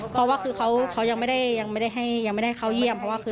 เพราะว่าคือเขายังไม่ได้ยังไม่ได้เข้าเยี่ยมเพราะว่าคือ